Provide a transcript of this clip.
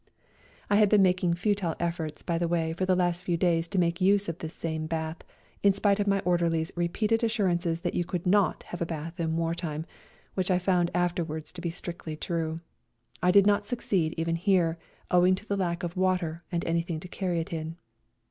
I had 62 A RIDE TO KALABAC been making futile efforts, by the way, for the last few days to make use of this same bath, in spite of my orderly's repeated assurances that you could not have a bath in wartime, which I found after wards to be strictly true. I did not suc ceed even here, owing to the lack of water and anything to carry it in.